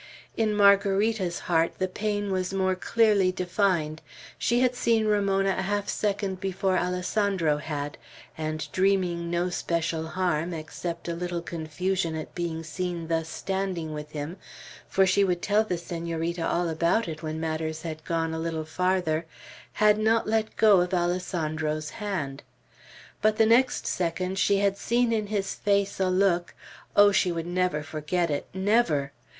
In Margarita's heart the pain was more clearly defined. She had seen Ramona a half second before Alessandro had; and dreaming no special harm, except a little confusion at being seen thus standing with him, for she would tell the Senorita all about it when matters had gone a little farther, had not let go of Alessandro's hand. But the next second she had seen in his face a look; oh, she would never forget it, never!